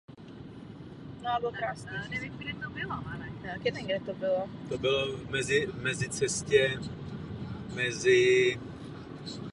Domníváme, že k jejím závěrům není třeba nic víc dodávat.